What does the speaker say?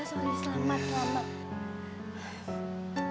sorry selamat selamat